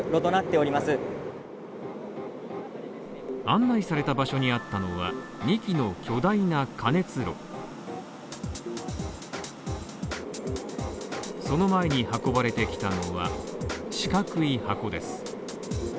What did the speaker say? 案内された場所にあったのは、２基の巨大な加熱炉その前に運ばれてきたのは四角い箱です。